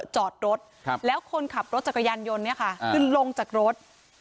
จอดรถแล้วคนขับรถจักรยานยนต์บึงลงจากรถ